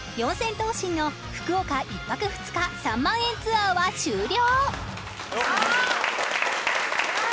頭身の福岡１泊２日３万円ツアーは終了